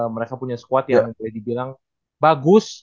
mereka punya squad yang boleh dibilang bagus